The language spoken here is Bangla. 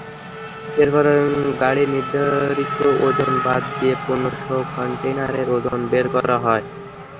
এরপর গাড়ির নির্ধারিত ওজন বাদ দিয়ে পণ্যসহ কনটেইনারের ওজন বের করা হয়।